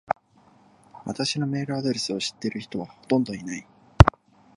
私のメールアドレスを知ってる人はほとんどいない。